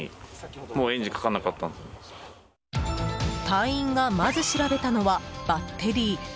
隊員がまず調べたのはバッテリー。